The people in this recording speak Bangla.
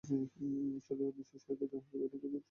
এছাড়াও, নিচেরসারিতে ডানহাতে ব্যাটিং করতেন ফ্রেড টেট।